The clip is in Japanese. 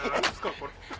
これ。